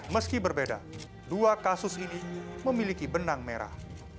meski berbeda dua kasus ini memiliki benang merah